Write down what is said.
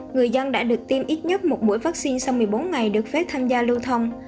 người dân đã được tiêm ít nhất một buổi vaccine sau một mươi bốn ngày được phép tham gia lưu thông